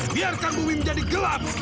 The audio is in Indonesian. biarkan bumi menjadi gelap